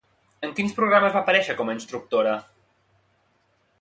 En quins programes va aparèixer com a instructora?